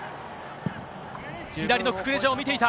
左のククレジャを見ていた。